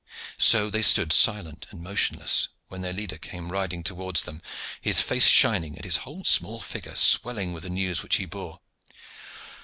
So they stood, silent and motionless, when their leader came riding towards them, his face shining and his whole small figure swelling with the news which he bore.